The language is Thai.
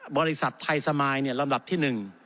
บริษัทไทยสมายลำดับที่๑